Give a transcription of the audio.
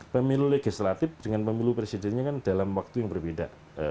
pemilu legislatif dengan pemilu presidennya kan dalam waktu yang berbeda